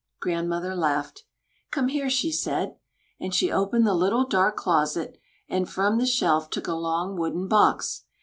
Grandmother laughed. "Come here," she said. And she opened the little dark closet, and from the shelf took a long wooden box.